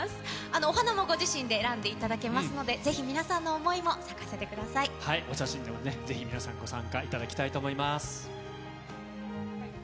お花もご自身で選んでいただけますので、ぜひ、皆さんの想いも咲お写真でもぜひ皆さん、ご参加いただきたいと思います。